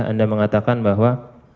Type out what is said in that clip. anda mengatakan bahwa